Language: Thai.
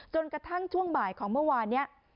จนกระทั่งช่วงบ่ายของเมื่อวานนี้